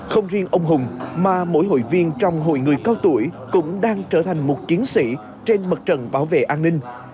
không riêng ông hùng mà mỗi hội viên trong hội người cao tuổi cũng đang trở thành một chiến sĩ trên mặt trận bảo vệ an ninh